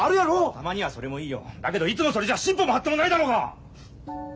たまにはそれもいいよだけどいつもそれじゃ進歩も発展もないだろうが！